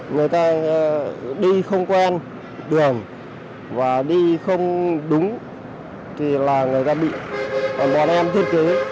người ta đi không quen đường và đi không đúng thì là người ta bị đàn em thiết kế